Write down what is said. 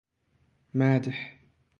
مدح